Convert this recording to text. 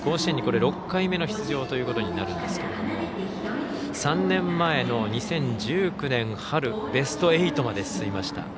甲子園に６回目の出場となるんですが３年前の２０１９年春ベスト８まで進みました。